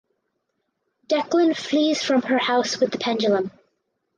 Declan flees from her house with the pendulum.